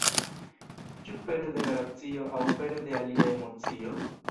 Ĉu pere de la racio aŭ pere de alia emocio?